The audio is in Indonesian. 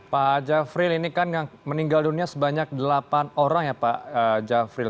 pak jafril ini kan yang meninggal dunia sebanyak delapan orang ya pak jafril